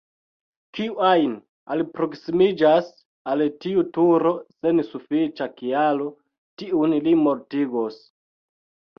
Kiu ajn alproksimiĝas al tiu turo sen sufiĉa kialo, tiun li mortigos.